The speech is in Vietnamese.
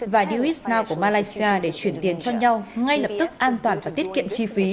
và duitesnow của malaysia để chuyển tiền cho nhau ngay lập tức an toàn và tiết kiệm